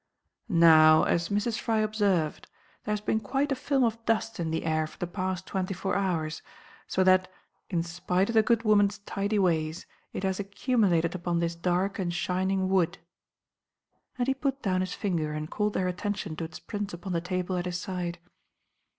"Now, as Mrs. Fry observed, there has been quite a film of dust in the air for the past twenty four hours, so that, in spite of the good woman's tidy ways, it has accumulated upon this dark and shining wood." And he put down his finger and called their attention to its prints upon the table at his side.